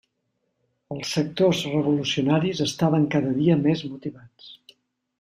Els sectors revolucionaris estaven cada dia més motivats.